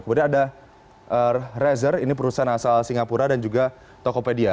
kemudian ada rezer ini perusahaan asal singapura dan juga tokopedia